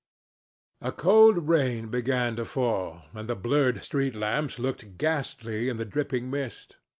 A cold rain began to fall, and the blurred street lamps looked ghastly in the dripping mist.